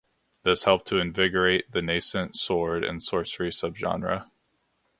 This helped to invigorate the nascent sword and sorcery subgenre.